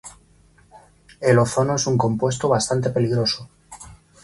El ozono es un compuesto bastante peligroso.